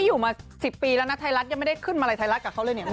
อยู่มา๑๐ปีแล้วนะไทยรัฐยังไม่ได้ขึ้นมาลัยไทยรัฐกับเขาเลยเนี่ย